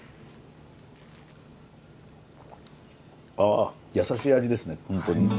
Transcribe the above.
あ優しい味ですねホントに。